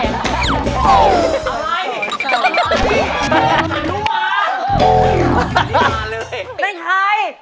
นั่นใคร